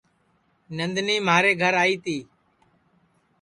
نندنی مھارے گھر آئی تی